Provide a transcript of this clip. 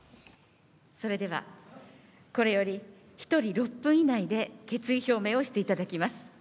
それでは、これより１人６分以内で決意表明をしていただきます。